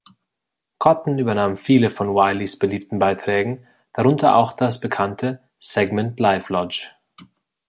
Cotton übernahm viele von Whileys beliebten Beiträgen, darunter auch das bekannte Segment Live Lounge.